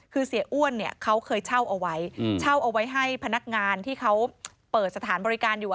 คือเสียอ้วนเนี่ยเขาเคยเช่าเอาไว้เช่าเอาไว้ให้พนักงานที่เขาเปิดสถานบริการอยู่